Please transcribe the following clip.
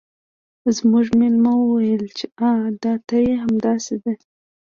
زموږ میلمه وویل چې آه دا ته یې همداسې ده